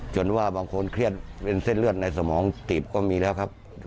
ว่าบางคนเครียดเป็นเส้นเลือดในสมองตีบก็มีแล้วครับ